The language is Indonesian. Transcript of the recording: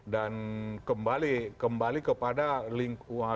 dan kembali kepada lingkungan